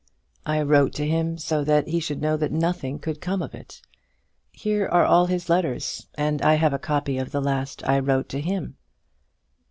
I wrote to him so that he should know that nothing could come of it. Here are all his letters, and I have a copy of the last I wrote to him."